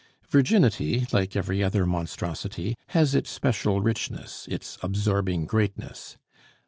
Virginity, like every other monstrosity, has its special richness, its absorbing greatness.